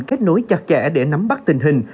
kết nối chặt kẽ để nắm bắt tình hình